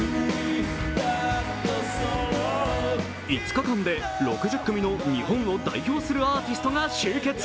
５日間で６０組の日本を代表するアーティストが集結。